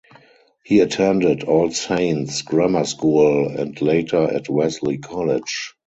He attended All Saints Grammar School and later at Wesley College.